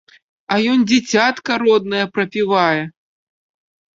А ён дзіцятка роднае прапівае!